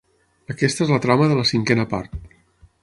Aquesta és la trama de la cinquena part.